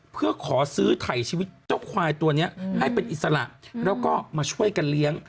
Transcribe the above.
เพื่อขอซื้อไถ่ชีวิตเจ้าควายตัวนี้ให้เป็นอิสระแล้วก็มาช่วยกันเลี้ยง